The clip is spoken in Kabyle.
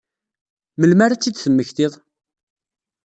Melmi ara ad tt-id-temmektiḍ?